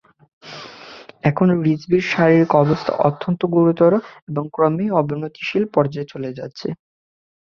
এখন রিজভীর শারীরিক অবস্থা অত্যন্ত গুরুতর এবং ক্রমেই অবনতিশীল পর্যায়ে চলে যাচ্ছে।